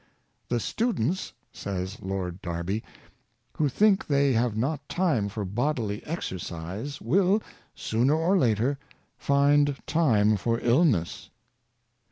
*' The stu dents," says Lord Derby, ''who think they have not time for bodily exercise will, sooner or later, find time for illness."